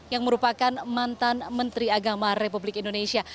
yang merupakan mantan menteri agama republik indonesia